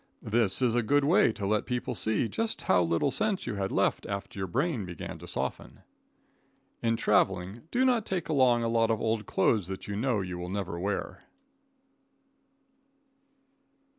This is a good way to let people see just how little sense you had left after your brain began to soften. In traveling, do not take along a lot of old clothes that you know you will never wear.